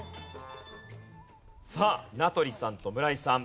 さあ名取さんと村井さん